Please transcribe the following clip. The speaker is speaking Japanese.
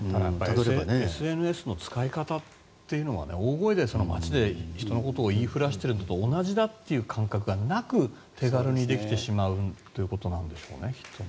ただＳＮＳの使い方というのは大声で、街で人のことを言いふらしているのと同じだという感覚がなく手軽にできてしまうということなんでしょうね。